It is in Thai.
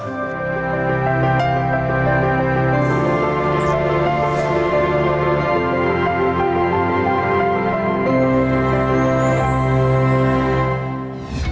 คุณสไม่รู้หรอก